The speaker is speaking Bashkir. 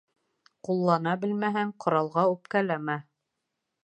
Ҡуллана белмәһәң, ҡоралға үпкәләмә.